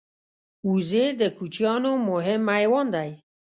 وزې د کوچیانو مهم حیوان دی